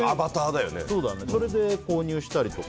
それで購入したりとか。